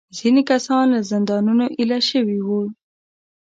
ځینې کسان له زندانونو ایله شوي وو.